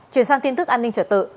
chuyển sang tin tức an ninh trở tự